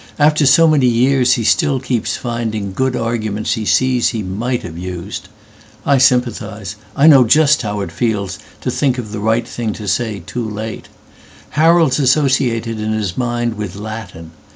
After so many years he still keeps findingGood arguments he sees he might have used.I sympathise. I know just how it feelsTo think of the right thing to say too late. Harold's associated in his mind with Latin.